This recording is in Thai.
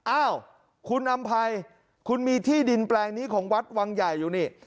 อ้าวคุณอำภัยคุณมีที่ดินแปลงนี้ของวัดวังใหญ่อยู่นี่